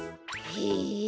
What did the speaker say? へえ。